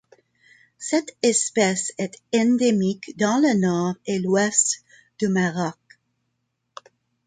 Cette espèce est endémique dans le Nord et l'Ouest du Maroc.